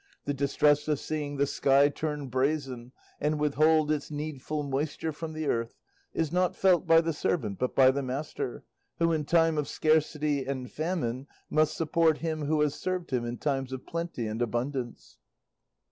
The distress of seeing the sky turn brazen, and withhold its needful moisture from the earth, is not felt by the servant but by the master, who in time of scarcity and famine must support him who has served him in times of plenty and abundance."